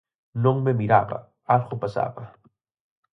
Non me miraba: algo pasaba.